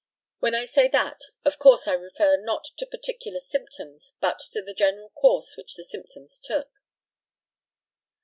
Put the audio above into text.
When I say that, of course I refer not to particular symptoms, but to the general course which the symptoms took.